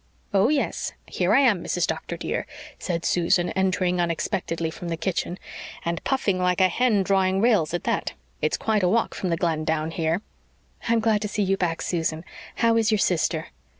"Oh, yes, here I am, Mrs. Doctor, dear," said Susan, entering unexpectedly from the kitchen, "and puffing like a hen drawing rails at that! It's quite a walk from the Glen down here." "I'm glad to see you back, Susan. How is your sister?"